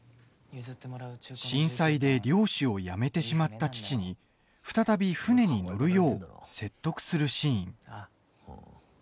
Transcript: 震災で漁師をやめてしまった父に再び船に乗るよう説得するシーン。